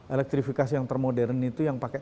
elektrifikasi yang termodern itu yang pakai